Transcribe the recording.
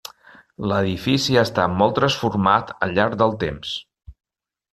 L'edifici ha estat molt transformat al llarg del temps.